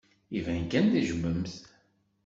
Iban kan tejjmem-t.